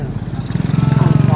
kalau gak habis dibagikan